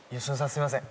すいません。